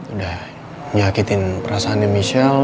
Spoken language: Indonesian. udah nyakitin perasaannya michelle